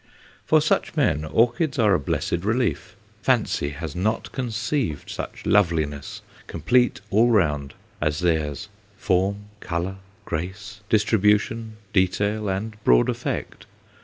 For such men orchids are a blessed relief. Fancy has not conceived such loveliness, complete all round, as theirs form, colour, grace, distribution, detail, and broad effect.